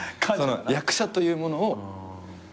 役者というものを。